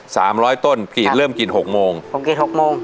สามร้อยต้นกรีดเริ่มกรีดหกโมงผมกรีดหกโมง